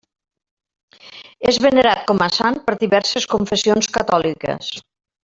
És venerat com a sant per diverses confessions catòliques.